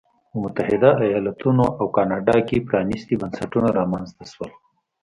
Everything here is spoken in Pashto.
په متحده ایالتونو او کاناډا کې پرانیستي بنسټونه رامنځته شول.